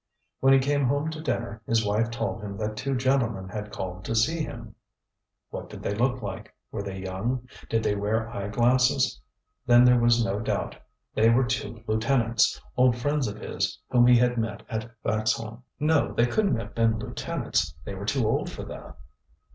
When he came home to dinner, his wife told him that two gentlemen had called to see him. ŌĆ£What did they look like? Were they young? Did they wear eye glasses? Then there was no doubt, they were two lieutenants, old friends of his whom he had met at Vaxholm.ŌĆØ ŌĆ£No, they couldnŌĆÖt have been lieutenants; they were too old for that.